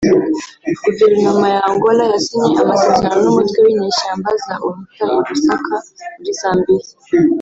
Guverinoma ya Angola yasinye Amasezerano n’Umutwe w’inyeshyamba za Unita i Lusaka muri Zambiya